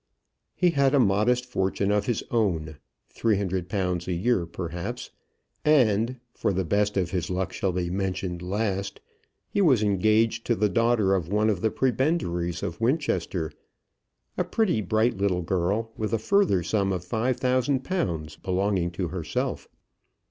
He had a modest fortune of his own, £300 a year perhaps, and, for the best of his luck shall be mentioned last, he was engaged to the daughter of one of the prebendaries of Winchester, a pretty bright little girl, with a further sum of £5000 belonging to herself.